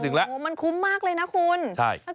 สวัสดีครับ